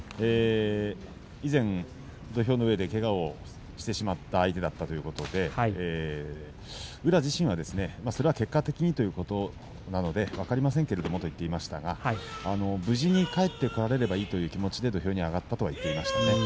以前、土俵の上で、けがをしてしまった相手だったということで宇良自身は、それは結果的なので分かりませんけれどと言っていましたが、無事に帰ってこられればいいという気持ちで土俵に上がりましたと話してました。